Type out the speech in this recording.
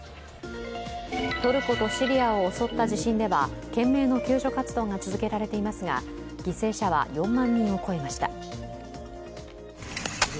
トルコとシリアを襲った地震では懸命の救助活動が続けられていますが、犠牲者は４万人を超えました。